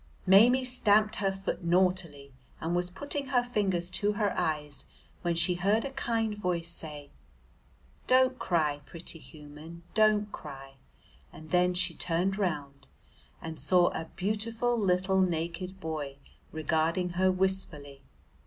Maimie stamped her foot naughtily, and was putting her fingers to her eyes, when she heard a kind voice say, "Don't cry, pretty human, don't cry," and then she turned round and saw a beautiful little naked boy regarding her wistfully.